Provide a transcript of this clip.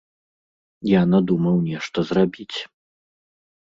Я надумаў нешта зрабіць.